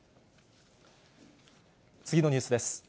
次のニュースです。